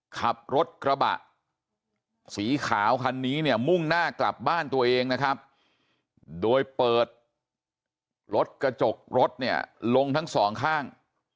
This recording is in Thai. ขับรถกระบะสีขาวคันนี้เนี่ยมุ่งหน้ากลับบ้านตัวเองนะครับโดยเปิดรถกระจกรถเนี่ยลงทั้งสองข้าง